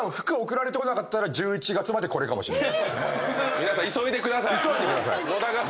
皆さん急いでください。